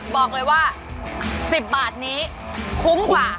บอกเลยว่า๑๐บาทนี้คุ้มกว่า